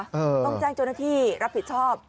ต้องแจ้งเจ้าหน้าที่รับผิดชอบ